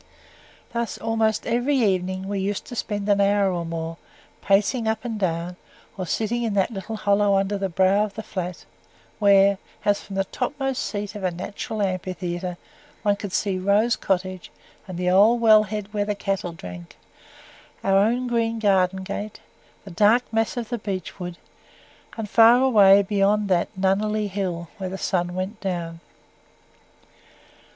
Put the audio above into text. Thus, almost every evening, we used to spend an hour or more, pacing up and down, or sitting in that little hollow under the brow of the Flat, where, as from the topmost seat of a natural amphitheatre, one could see Rose Cottage and the old well head where the cattle drank; our own green garden gate, the dark mass of the beech wood, and far away beyond that Nunneley Hill, where the sun went down.